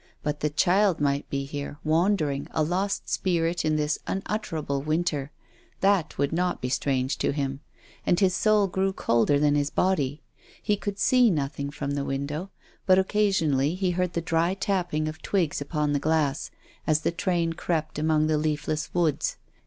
But the child might be here, wandering, a lost spirit, in this unutterable winter. That would not be strange to him. And his soul grew colder than his body. He could see nothing from the window, but occasionally he heard the dry tapping of twigs upon the glass, as the train crept among the leafless woods.